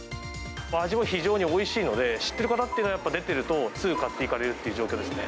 味も非常においしいので、知ってる方っていうのはやっぱ、出てるとすぐ買っていかれるという状況ですね。